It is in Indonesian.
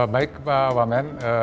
baik pak wamen